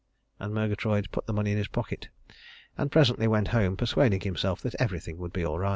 And Murgatroyd put the money in his pocket, and presently went home, persuading himself that everything would be all right.